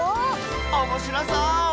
おもしろそう！